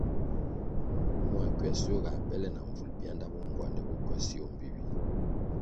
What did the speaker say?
Mua ckywasio ga bèle na mbvul bianda bo ngwandè bo ckywasio mbpi ywie.